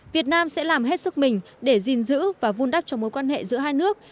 việt nam sẽ làm hết sức mình để gìn giữ và vun đắp cho mối quan hệ giữa hai nước